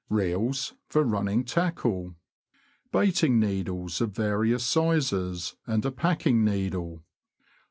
Reels for running tackle. Baiting needles of various sizes, and a packing needle.